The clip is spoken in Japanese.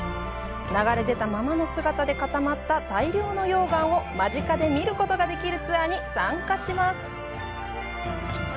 流れ出たままの姿で固まった大量の溶岩を間近で見ることができるツアーに参加します。